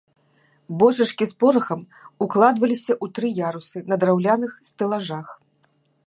Бочачкі з порахам укладваліся ў тры ярусы на драўляных стэлажах.